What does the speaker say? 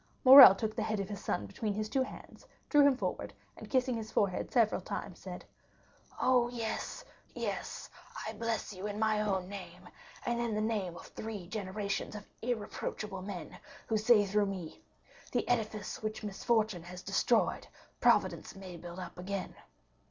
Morrel took the head of his son between his two hands, drew him forward, and kissing his forehead several times said: "Oh, yes, yes, I bless you in my own name, and in the name of three generations of irreproachable men, who say through me, 'The edifice which misfortune has destroyed, Providence may build up again.